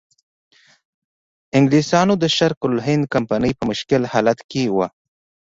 انګلیسانو د شرق الهند کمپنۍ په مشکل حالت کې وه.